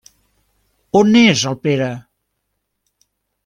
On és el Pere?